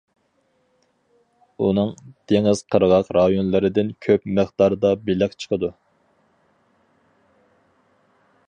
ئۇنىڭ دېڭىز قىرغاق رايونلىرىدىن كۆپ مىقداردا بېلىق چىقىدۇ.